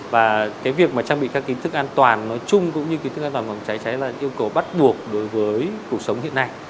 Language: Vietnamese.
và cái việc mà trang bị các kiến thức an toàn nói chung cũng như kiến thức an toàn phòng cháy cháy là yêu cầu bắt buộc đối với cuộc sống hiện nay